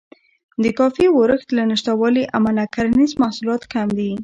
د کافي ورښت له نشتوالي امله کرنیز محصولات کم دي.